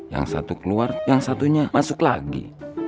yang satu keluar yang satunya masuk lagi